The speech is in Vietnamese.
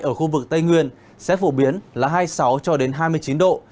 ở khu vực tây nguyên sẽ phổ biến là hai mươi sáu cho đến hai mươi chín độ